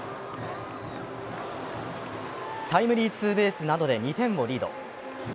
タイムリーツーベースなどで２点をリード。